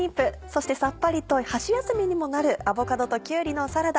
そしてさっぱりと箸休めにもなるアボカドときゅうりのサラダ。